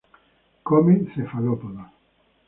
Come cefalópodos.